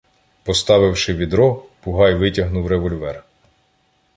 Поставивши відро, Бугай витягнув револьвер.